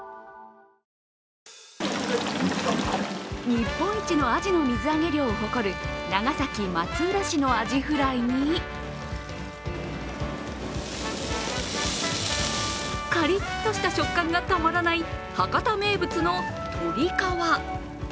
日本一のアジの水揚げ量を誇る長崎・松浦市のアジフライにカリッとした食感がたまらない博多名物のとりかわ。